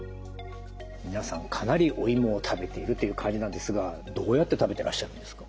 皆さんかなりおいもを食べているという感じなんですがどうやって食べてらっしゃるんですか？